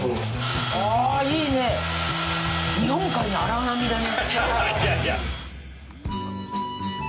あいいね日本海の荒波だね。